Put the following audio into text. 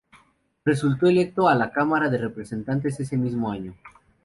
Resultó electo a la Cámara de Representantes ese mismo año.